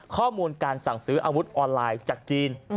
ข้อมูลการสั่งซื้ออาวุธออนไลน์จากจีน